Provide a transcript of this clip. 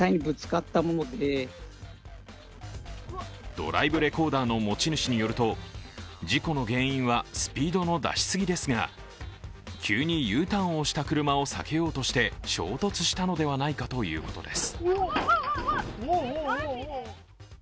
ドライブレコーダーの持ち主によると、事故の原因はスピードの出し過ぎですが急にＵターンをした車を避けようとして衝突したのではないかということです。